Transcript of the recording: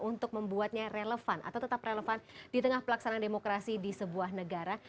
untuk membuatnya relevan atau tetap relevan di tengah pelaksanaan demokrasi di sebuah negara